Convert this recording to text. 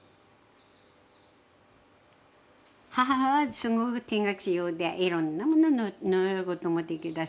母はすごく手が器用でいろんなもの縫うこともできたし。